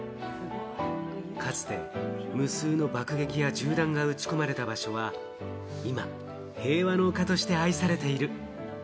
かつて無数の爆撃や銃弾が撃ち込まれた場所は、今、平和の丘として愛されている。